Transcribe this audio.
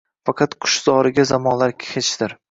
Faqat qush zoriga zamonlar hechdir.